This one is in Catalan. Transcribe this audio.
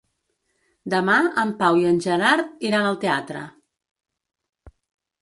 Demà en Pau i en Gerard iran al teatre.